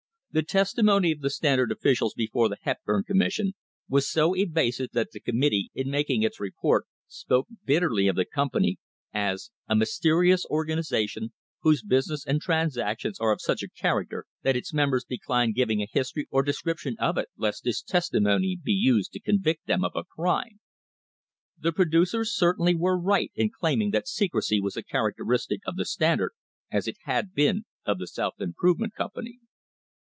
The testimony of the Standard officials before the Hepburn Commission was so evasive that the committee in making its report spoke bitterly of the company as "a mysterious organisation whose business and transactions are of such a character that its members decline giving a history or description of it lest this testimony be used to convict them of a crime." The producers cer tainly were right in claiming that secrecy was a characteristic of the Standard as it had been of the South Improvement Company.